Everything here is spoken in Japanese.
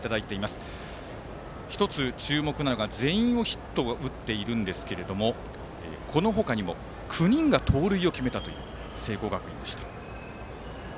注目すべきは全員ヒットを打っているんですがこの他にも９人が盗塁を決めたという聖光学院でした。